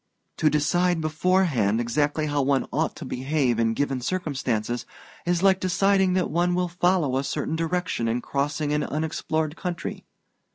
To decide beforehand exactly how one ought to behave in given circumstances is like deciding that one will follow a certain direction in crossing an unexplored country.